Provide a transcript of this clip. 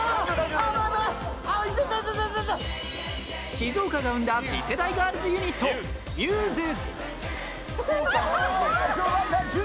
静岡が生んだ次世代ガールズユニットＭＵＳＥ。